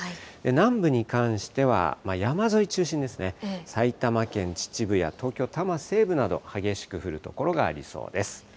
南部に関しては、山沿い中心ですね、埼玉県秩父や東京・多摩西部など、激しく降る所がありそうです。